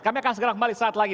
kami akan segera kembali saat lagi